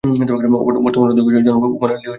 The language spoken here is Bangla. বর্তমানে অধ্যক্ষ হিসাবে জনাব ওমর আলী নিয়োজিত আছেন।